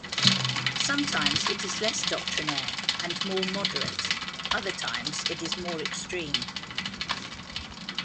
Sometimes it is less doctrinaire and more moderate; other times it is more extreme.